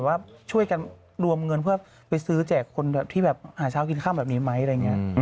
การช่วยรวมเงินไปซื้อจากคนที่หาเช้ากินข้ำนี้ไหม